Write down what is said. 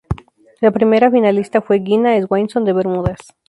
La primera finalista fue Gina Swainson de Bermudas.